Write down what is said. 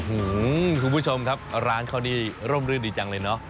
คุณผู้ชมครับร้านเขานี่ร่มรื่นดีจังเลยเนอะ